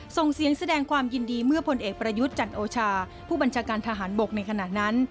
ส่งเสียงแสดงความยินดีเมื่อผลเอกประยุทธ์จันโอชาผู้บัญชาการทหารบกในขณะนั้น